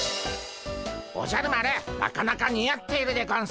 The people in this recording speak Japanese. おじゃる丸なかなか似合っているでゴンス。